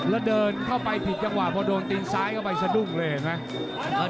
แล้วเดินเข้าไปผิดจังหวะพอโดนตีนซ้ายเข้าไปสะดุ้งเลยเห็นไหม